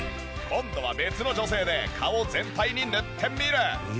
今度は別の女性で顔全体に塗ってみる。